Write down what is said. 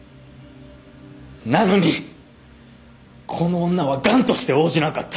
なのにこの女は頑として応じなかった。